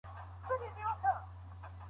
دا شرط د الفاظو په کناياتو پوري ځانګړی دی.